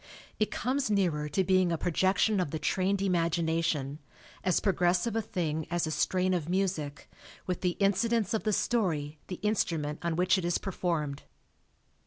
It comes nearer to being a projection of the trained imagination, as pro gressive a thing as a strain of music with the incidents of the story the instrument on which it is performed.